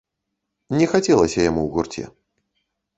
Не хацелася яму ў гурце.